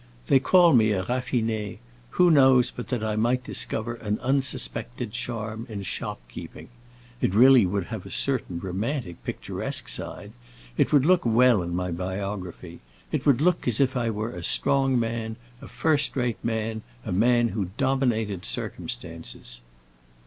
They call me a raffiné; who knows but that I might discover an unsuspected charm in shop keeping? It would really have a certain romantic, picturesque side; it would look well in my biography. It would look as if I were a strong man, a first rate man, a man who dominated circumstances."